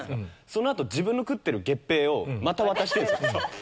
その後自分の食ってる月餅をまた渡してるんです。